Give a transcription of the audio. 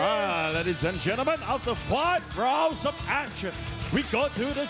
ขอัลไลที่สำคัญท่านพวกนายพวกเราจะไปถึงทางการตัดได้